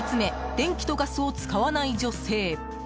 電気とガスを使わない女性。